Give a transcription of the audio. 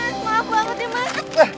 aduh mas maaf banget ya mas